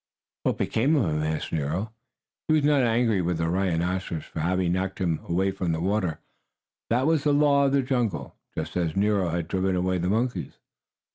"What became of him?" asked Nero. He was not angry with the rhinoceros for having knocked him away from the water. That was the law of the jungle, just as Nero had driven away the monkeys.